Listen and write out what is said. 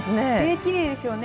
きれいですよね。